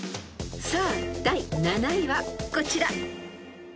［さあ第７位はこちら］